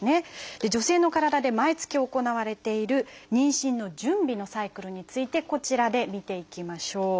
女性の体で毎月行われている妊娠の準備のサイクルについてこちらで見ていきましょう。